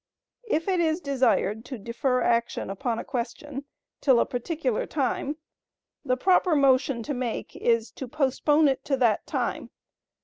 If it is desired to defer action upon a question till a particular time, the proper motion to make, is to "postpone it to that time."